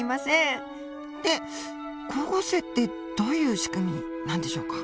って光合成ってどういう仕組みなんでしょうか。